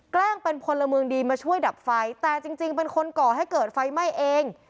แกล้งเป็นพลเมืองดีมาช่วยดับไฟแต่จริงเป็นคนก่อให้เกิดไฟไหม้เอง